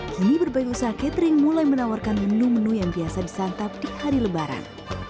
kini berbagai usaha catering mulai menawarkan menu menu yang biasa disantap di hari lebaran